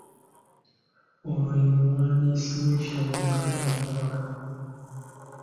Ono ye muwandiisi w’ekitabo Buganda ne Kabaka?